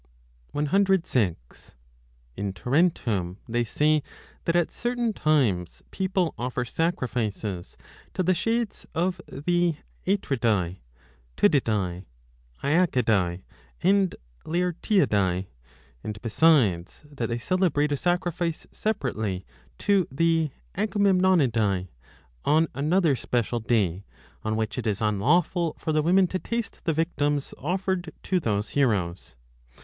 In Tarentum they say that at certain times people offer 106 sacrifices to the shades of the Atridae, Tydidae, Aeacidae, and Laertiadae, and besides that they celebrate a sacrifice separately to the Agamemnonidae on another special day, 10 on which it is unlawful for the women to taste the victims offered to those heroes.